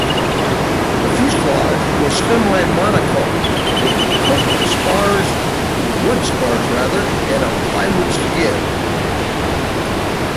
The fuselage was semi-monocoque with wood spars and a plywood skin.